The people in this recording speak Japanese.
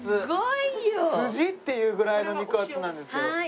すじ？っていうぐらいの肉厚なんですけど。